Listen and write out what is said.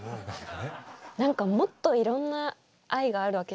何かもっといろんな愛があるわけじゃないですか。